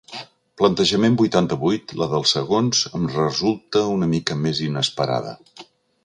Plantejament vuitanta-vuit la dels segons em resulta una mica més inesperada.